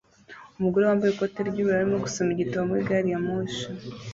Umugore wambaye ikote ry'ubururu arimo gusoma igitabo muri gari ya moshi